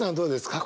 これ。